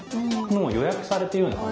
もう予約されているようなもの。